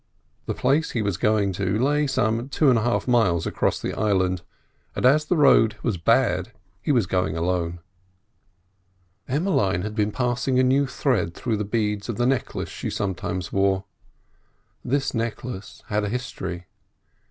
The place he was going to lay some two and a half miles away across the island, and as the road was bad he was going alone. Emmeline had been passing a new thread through the beads of the necklace she sometimes wore. This necklace had a history.